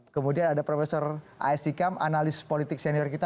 kemudian ada profesor a s ikam analis politik senior kita